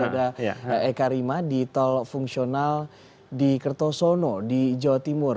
ada eka rima di tol fungsional di kertosono di jawa timur